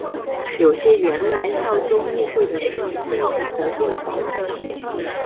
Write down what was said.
有些原来效忠议会的人民甚至投奔保王党。